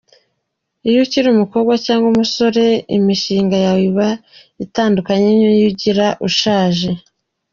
iyo ukiri umukobwa, cyangwa umusore imishinga yawe iba itandukanye niyo ugira iyo ushatse.